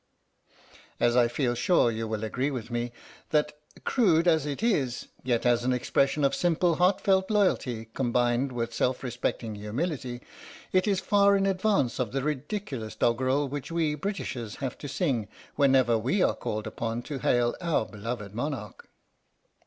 And I feel sure you will agree with me that, crude as it is, yet as an expression of simple heartfelt loyalty, combined with self respecting humility, it is far in advance of the ridiculous doggerel which we Britishers have to sing whenever we are called upon to hail our beloved monarch.